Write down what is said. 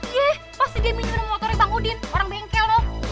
iya pas dia minumin motor bang udin orang bengkel loh